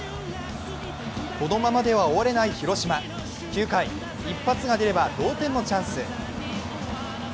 このままでは終われない広島、９回、一発が出れば同点のチャンス。